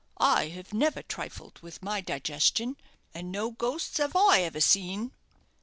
I have never trifled with my digestion, and no ghostes have I ever seen."